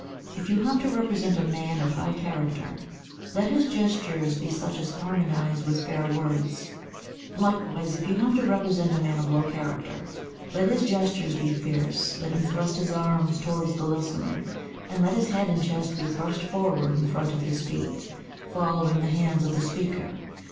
If you have to represent a man of high character, let his gestures be such as harmonize with fair words; likewise, if you have to represent a man of low character, let his gestures be fierce, let him thrust his arms towards the listener, and let his head and chest be thrust forward in front of his feet, following the hands of the speaker.